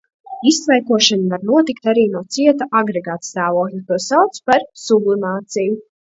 Iztvaikošana var notikt arī no cieta agregātstāvokļa – to sauc par sublimāciju.